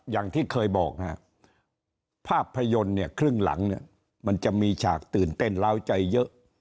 อย่างที่เคยบอกฮะภาพยนตร์เนี่ยครึ่งหลังเนี่ยมันจะมีฉากตื่นเต้นล้าวใจเยอะ